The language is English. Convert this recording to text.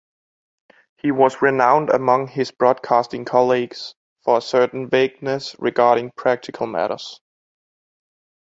He was renowned among his broadcasting colleagues for a certain vagueness regarding practical matters.